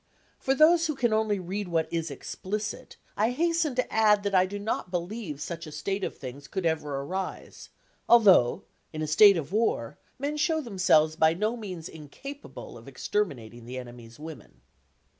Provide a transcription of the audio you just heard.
For those who can only read what is explicit, I hasten to add that I do not believe such a state of things could ever arise, although, in a state of war, men show themselves by no means incapable of exterminating the enemy's women.